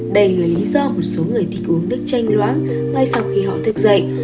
đây là lý do một số người thích uống nước chanh loáng ngay sau khi họ thức dậy